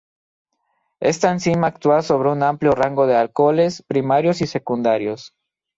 Esta enzima actúa sobre un amplio rango de alcoholes primarios y secundarios.